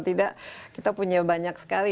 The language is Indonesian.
tidak kita punya banyak sekali